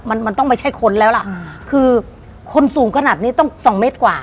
มันมันต้องไม่ใช่คนแล้วล่ะคือคนสูงขนาดนี้ต้องสองเมตรกว่า